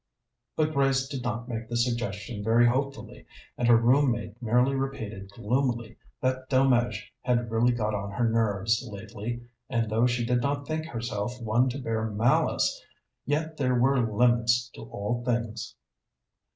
But Grace did not make the suggestion very hopefully, and her room mate merely repeated gloomily that Delmege had really got on her nerves lately, and though she did not think herself one to bear malice, yet there were limits to all things.